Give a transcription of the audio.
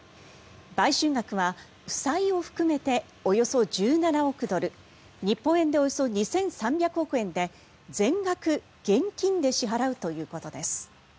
買収額は負債を含めておよそ１７億ドル日本円でおよそ２３００億円で全額現金で支払うということです。